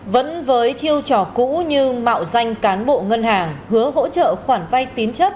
vẫn với chiêu trò cũ như mạo danh cán bộ ngân hàng hứa hỗ trợ khoản vay tín chấp